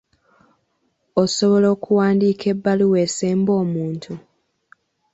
Osobola okuwandiika ebbaluwa esemba omuntu?